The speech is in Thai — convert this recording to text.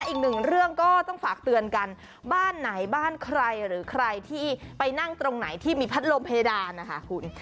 อีกหนึ่งเรื่องก็ต้องฝากเตือนกันบ้านไหนบ้านใครหรือใครที่ไปนั่งตรงไหนที่มีพัดลมเพดานนะคะคุณ